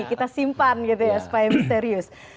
kita simpan gitu ya supaya misterius